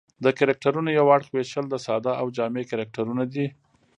د کرکټرونو یو اړخ وېشل د ساده او جامع کرکټرونه دي.